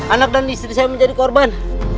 anak dan istri saya menjadi korban